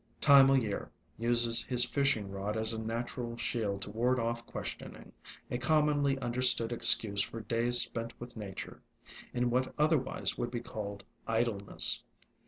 Time o' Year uses his fishing rod as a natural shield to ward off questioning, — a commonly under stood excuse for days spent with nature, in what otherwise would be called idleness.